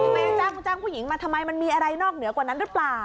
ไปจ้างจ้างผู้หญิงมาทำไมมันมีอะไรนอกเหนือกว่านั้นหรือเปล่า